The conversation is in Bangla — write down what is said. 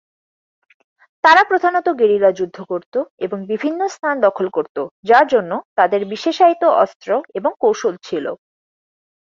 তারা প্রধানত গেরিলা যুদ্ধ করতো এবং বিভিন্ন স্থান দখল করতো যার জন্য তাদের বিশেষায়িত অস্ত্র এবং কৌশল ছিলো।